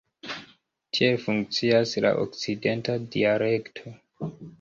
Tiel funkcias la okcidenta dialekto.